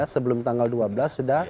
sebelum tanggal dua belas sudah